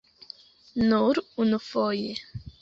Nur unufoje.